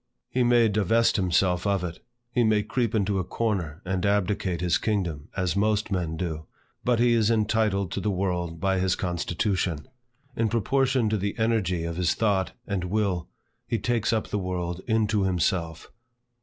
He may divest himself of it; he may creep into a corner, and abdicate his kingdom, as most men do, but he is entitled to the world by his constitution. In proportion to the energy of his thought and will, he takes up the world into himself.